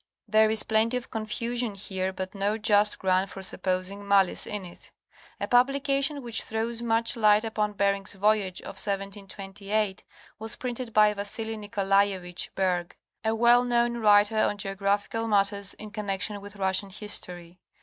There is plenty of confusion here but no just ground for supposing malice in it.. A publication which throws much light upon Bering's voyage of 1728 was printed by Vasili Nikolaievich Bergh (or Berkh) a well known writer on geographical matters in connection with Russian history.